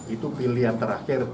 itu pilihan terakhir